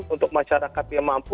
untuk masyarakat yang mampu